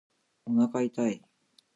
おなか痛い